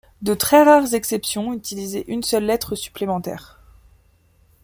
De très rares exceptions utilisaient une seule lettre supplémentaire.